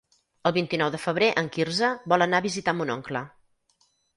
El vint-i-nou de febrer en Quirze vol anar a visitar mon oncle.